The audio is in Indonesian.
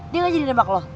dia gak jadi nebak lo